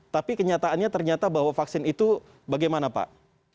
tapi kenyataannya ternyata bahwa vaksin itu bagaimana pak